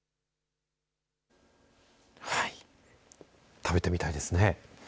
食べてみたいですね。